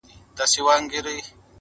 مسافر پر لاري ځکه د ارمان سلګی وهمه،